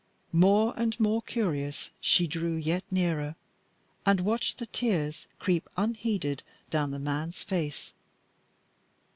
More and more curious, she drew yet nearer, and watched the tears creep unheeded down the man's face.